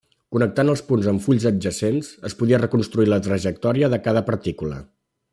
Connectant els punts en fulls adjacents, es podia reconstruir la trajectòria de cada partícula.